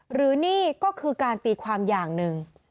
หรือนี่ก็คือการตีความอย่างหนึ่ง